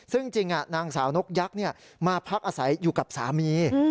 ซึ่งจริงนางสาวนกยักษ์มาพักอาศัยอยู่กับสามี